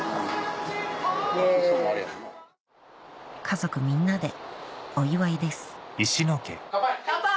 家族みんなでお祝いです乾杯！